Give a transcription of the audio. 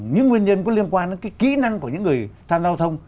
những nguyên nhân có liên quan đến cái kỹ năng của những người tham gia giao thông